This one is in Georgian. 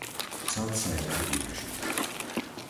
ცალ საერთო ტირაჟით.